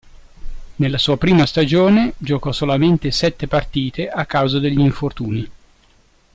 Nella sua prima stagione giocò solamente sette partite a causa degli infortuni.